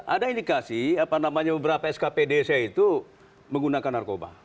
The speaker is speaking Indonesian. ada indikasi apa namanya beberapa skp desa itu menggunakan narkoba